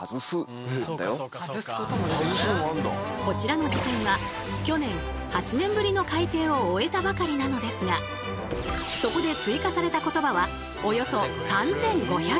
こちらの辞典は去年８年ぶりの改訂を終えたばかりなのですがそこで追加された言葉はおよそ３，５００語。